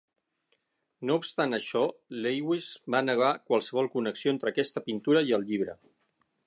No obstant això, Lewis va negar qualsevol connexió entre aquesta pintura i el llibre.